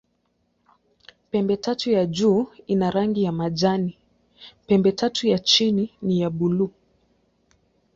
Pembetatu ya juu ina rangi ya majani, pembetatu ya chini ni ya buluu.